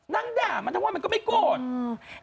นั่งด่ามันทั้งวันมันก็ไม่โกรธ